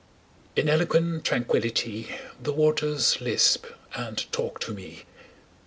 In eloquent tranquility The waters lisp and talk to me.